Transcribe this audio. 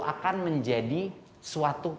akan menjadi suatu